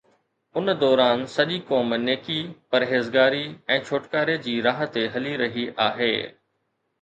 ان دوران سڄي قوم نيڪي، پرهيزگاري ۽ ڇوٽڪاري جي راهه تي هلي رهي آهي.